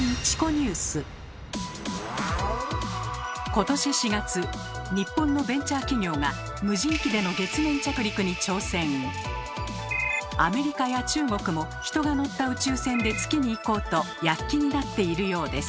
今年４月日本のベンチャー企業が無人機でのアメリカや中国も人が乗った宇宙船で月に行こうと躍起になっているようです。